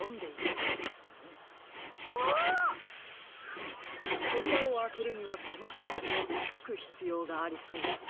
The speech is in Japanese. フムとびらをあけるにはこのしかけをとくひつようがありそうです。